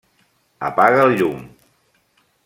Apaga el llum.